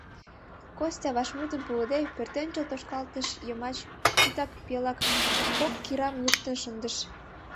Костя, вашмутым пуыде, пӧртӧнчыл тошкалтыш йымач путак-пелак кок кирам луктын шындыш.